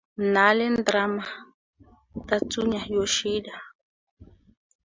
Null and drummer Tatsuya Yoshida.